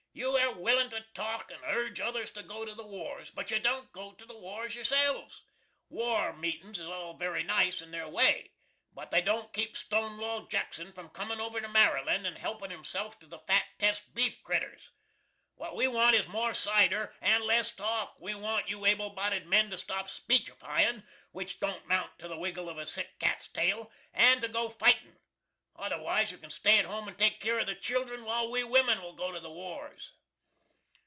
You air willin' to talk and urge others to go to the wars, but you don't go to the wars yourselves. War meetin's is very nice in their way, but they don't keep STONEWALL JACKSON from comin' over to Maryland and helpin' himself to the fattest beef critters. What we want is more cider and less talk. We want you able bodied men to stop speechifying, which don't 'mount to the wiggle of a sick cat's tail, and to go fi'tin'; otherwise you can stay to home and take keer of the children, while we wimin will go to the wars!"